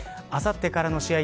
あさってからの試合